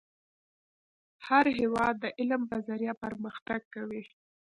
هر هیواد د علم په ذریعه پرمختګ کوي .